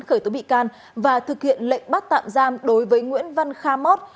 khởi tố bị can và thực hiện lệnh bắt tạm giam đối với nguyễn văn kha mót